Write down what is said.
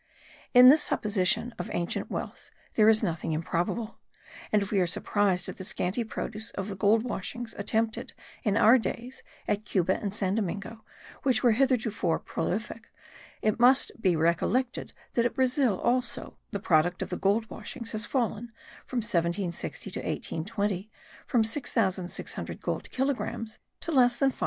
In this supposition of ancient wealth there is nothing improbable; and if we are surprised at the scanty produce of the gold washings attempted in our days at Cuba and San Domingo, which were heretofore so prolific, it must be recollected that at Brazil also the product of the gold washings has fallen, from 1760 to 1820, from 6600 gold kilogrammes to less than 595.